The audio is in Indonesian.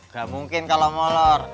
gak mungkin kalau molor